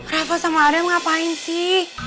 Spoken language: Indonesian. rafa sama adam ngapain sih